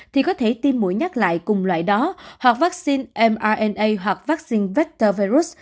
thì có thể tiêm mũi nhắc lại cùng loại đó hoặc vaccine mna hoặc vaccine vector virus